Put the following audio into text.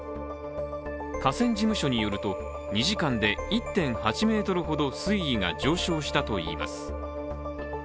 河川事務所によると、２時間で１．８ｍほど水位が上昇したといいます。